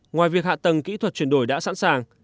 ngoài việc hạ tầng kỹ thuật chuyển đổi đã sẵn sàng